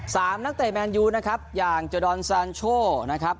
นักเตะแมนยูนะครับอย่างเจอดอนซานโชนะครับ